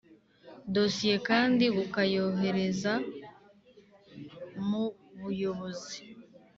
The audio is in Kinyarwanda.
dosiye kandi bukayohereza mu Buyobozi